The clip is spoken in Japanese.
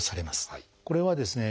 これはですね